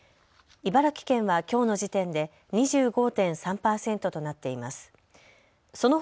茨城県はきょうの時点で２５．３％となっています。